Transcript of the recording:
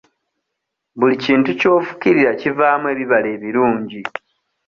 Buli kintu ky'ofukirira kivaamu ebibala ebirungi.